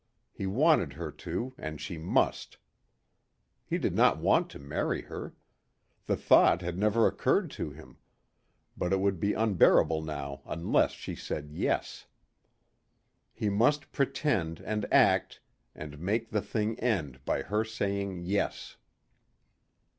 He wanted her to and she must. He did not want to marry her. The thought had never occured to him. But it would be unbearable now unless she said "Yes." He must pretend and act and make the thing end by her saying "Yes."